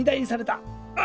あ！